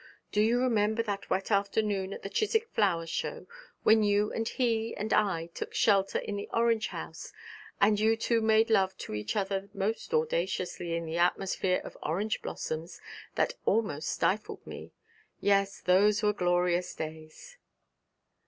Do you remember that wet afternoon at the Chiswick flower show, when you and he and I took shelter in the orange house, and you two made love to each other most audaciously in an atmosphere of orange blossoms that almost stifled me? Yes, those were glorious days!'